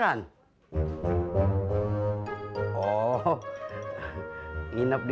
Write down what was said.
gak ada return time lagi